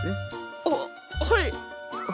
あっはい！